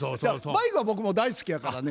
バイクは僕も大好きやからね。